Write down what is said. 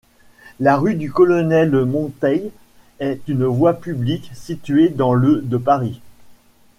La rue du Colonel-Monteil est une voie publique située dans le de Paris.